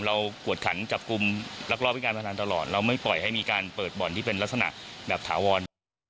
กวดขันจับกลุ่มลักลอบพิการพนันตลอดเราไม่ปล่อยให้มีการเปิดบ่อนที่เป็นลักษณะแบบถาวร